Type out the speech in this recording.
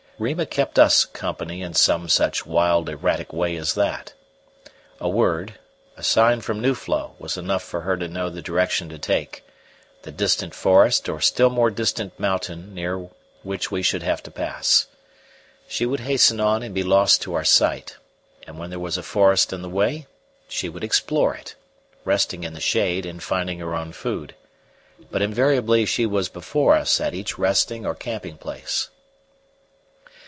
Rima kept us company in some such wild erratic way as that. A word, a sign from Nuflo was enough for her to know the direction to take the distant forest or still more distant mountain near which we should have to pass. She would hasten on and be lost to our sight, and when there was a forest in the way she would explore it, resting in the shade and finding her own food; but invariably she was before us at each resting or camping place.